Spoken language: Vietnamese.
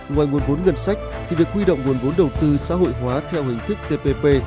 ngoài nguồn vốn ngân sách thì việc huy động nguồn vốn đầu tư xã hội hóa theo hình thức tpp